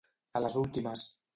A les últimes.